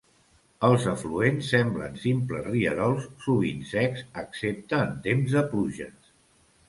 Els afluents semblen simples rierols, sovint secs excepte en temps de pluges.